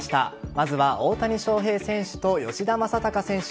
まずは大谷翔平選手と吉田正尚選手。